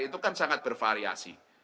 itu kan sangat bervariasi